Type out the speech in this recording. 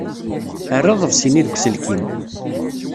Err aḍebsi-nni deg uselkim.